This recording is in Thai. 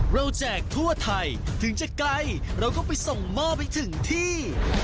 แจกทั่วไทยถึงจะไกลเราก็ไปส่งหม้อไปถึงที่